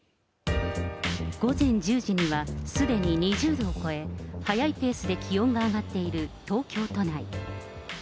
午前１０時には、すでに２０度を超え、速いペースで気温が上がっている東京都内。